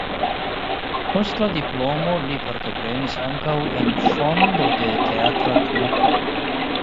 Post la diplomo li partoprenis ankaŭ en fondo de teatra trupo.